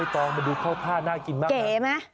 ป้องมันดูข้าวผ้าหน้ากินมาก